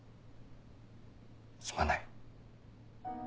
すまない。